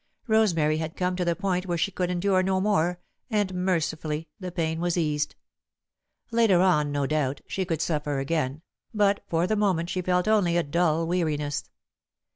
Rosemary had come to the point where she could endure no more, and mercifully the pain was eased. Later on, no doubt, she could suffer again, but for the moment she felt only a dull weariness.